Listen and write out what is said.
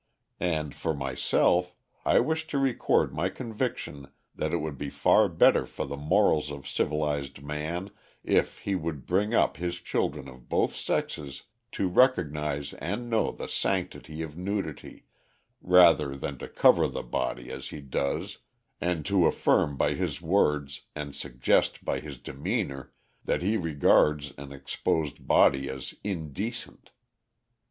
And for myself, I wish to record my conviction that it would be far better for the morals of civilized man if he would bring up his children of both sexes to recognize and know the sanctity of nudity, rather than to cover the body as he does and to affirm by his words and suggest by his demeanor that he regards an exposed body as indecent.